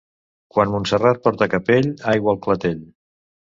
Quan Montserrat porta capell, aigua al clatell.